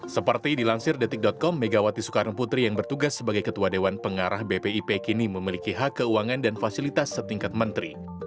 seperti dilansir detik com megawati soekarno putri yang bertugas sebagai ketua dewan pengarah bpip kini memiliki hak keuangan dan fasilitas setingkat menteri